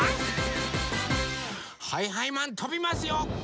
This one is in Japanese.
はいはいマンとびますよ！